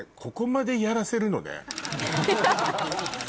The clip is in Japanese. ここまでやらせるのね。